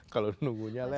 kalau nunggunya lele